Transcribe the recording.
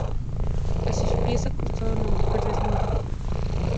A su pies, acostada una mujer desnuda.